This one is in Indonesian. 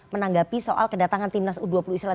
menanggapi soal kedatangan timnas u dua puluh israel